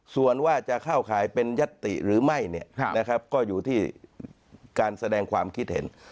ส่วนว่าจะเข้าข่ายเป็นยัตติหรือไม่ก็อยู่ที่การแสดงความคิดเห็น